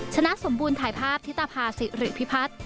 ชนะสมบูรณ์ถ่ายภาพที่ตาภาษีหรือพิพัฒน์